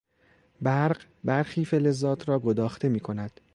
برق برخی فلزات را گداخته میکند.